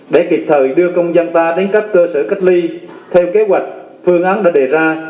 để kịp thời đưa công dân ta đến các cơ sở cách ly theo kế hoạch phương án đã đề ra